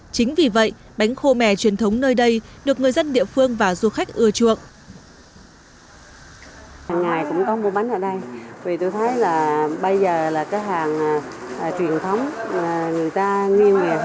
chính vì vậy bánh khô mè truyền thống nơi đây được người dân địa phương và du khách ưa chuộng